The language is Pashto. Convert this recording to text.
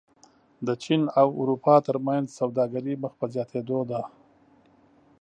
د چین او اروپا ترمنځ سوداګري مخ په زیاتېدو ده.